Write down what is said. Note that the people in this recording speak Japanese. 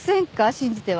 信じては。